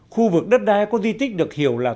khu vực đất đai có di tích được hiểu là